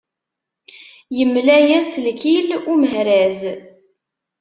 Yemmela-yas lkil umehraz.